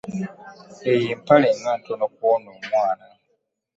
Eyo empale nga ntono kwono omwana.